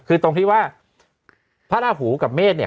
คือตรงที่ว่าพระราหูกับเมฆเนี่ย